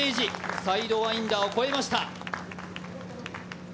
サイドワインダーを越えました。